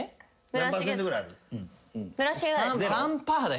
何％ぐらいある？